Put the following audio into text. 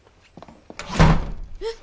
えっ？